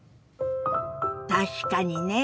確かにね。